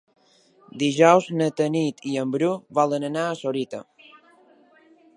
Dijous na Tanit i en Bru volen anar a Sorita.